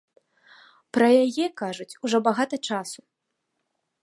Пра яе кажуць ужо багата часу.